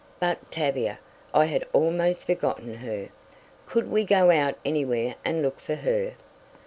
But Tavia! I had almost forgotten her. Could we go out anywhere and look for her?"